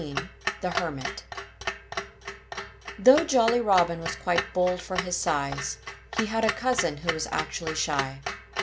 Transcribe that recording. XIII THE HERMIT Though Jolly Robin was quite bold for his size, he had a cousin who was actually shy.